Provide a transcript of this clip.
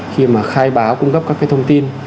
khi mà khai báo cung cấp các cái thông tin